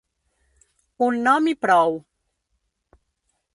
Un nom i prou.